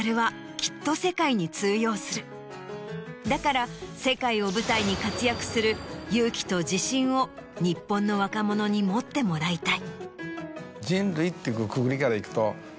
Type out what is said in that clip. だから世界を舞台に活躍する勇気と自信を日本の若者に持ってもらいたい。